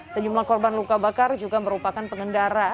sejumlah korban luka bakar juga merupakan pengendara